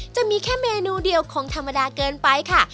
จะมีแค่เมนูเดียวคงธรรมดาเกินไปค่ะ